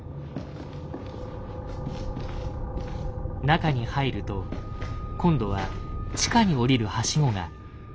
中に入ると今度は地下に降りるハシゴが。